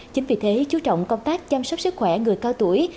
chính vì thế chú trọng công tác chăm sóc sức khỏe người cao tuổi